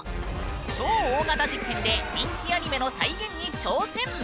超大型実験で人気アニメの再現に挑戦！